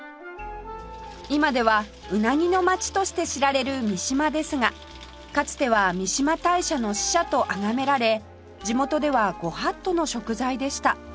今ではうなぎの街として知られる三島ですがかつては三嶋大社の使者とあがめられ地元では御法度の食材でした